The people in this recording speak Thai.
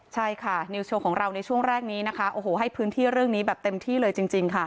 ใช่ค่ะนิวโชว์ของเราในช่วงแรกนี้นะคะโอ้โหให้พื้นที่เรื่องนี้แบบเต็มที่เลยจริงค่ะ